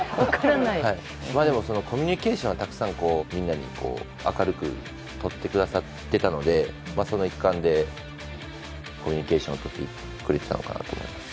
でも、コミュニケーションをたくさんみんなに明るくとってくださっていたのでその一環でコミュニケーションをとってくれてたのかなと思います。